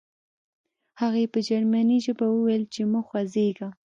هغې په جرمني ژبه وویل چې مه خوځېږه